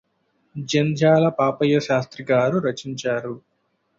జంధ్యాల పాపయ్యశాస్త్రిగారు రచించారు